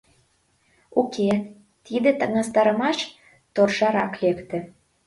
Уке, тиде таҥастарымаш торжарак лекте.